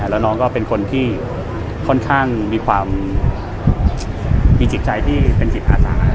แล้วน้องก็เป็นคนที่ค่อนข้างมีความมีจิตใจที่เป็นจิตอาสา